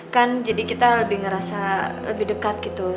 kan jadi kita lebih ngerasa lebih dekat gitu